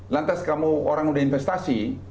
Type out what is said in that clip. lantas kamu orang udah investasi